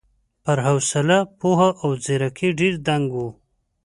پر حوصله، پوهه او ځېرکۍ ډېر دنګ و.